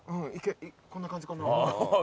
こんな感じかな？